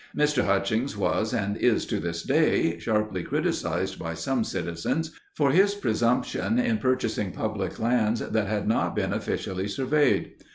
Mr. Hutchings was, and is to this day, sharply criticized by some citizens for his presumption in purchasing public lands that had not been officially surveyed.